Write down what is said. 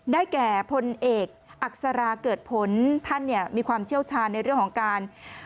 แก่พลเอกอักษราเกิดผลท่านเนี่ยมีความเชี่ยวชาญในเรื่องของการ